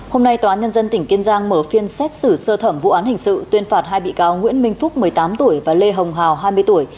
hôm nay tòa án nhân dân tỉnh kiên giang mở phiên xét xử sơ thẩm vụ án hình sự tuyên phạt hai bị cáo nguyễn minh phúc một mươi tám tuổi và lê hồng hào hai mươi tuổi